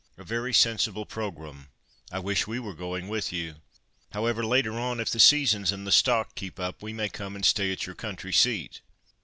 "A very sensible programme, I wish we were going with you. However, later on, if the seasons and the stock keep up, we may come and stay at your country seat."